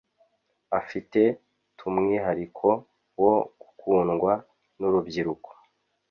Afite tumwihariko wo gukundwa n'urubyiruko.